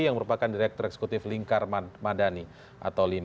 yang merupakan direktur eksekutif lingkar madani atau lin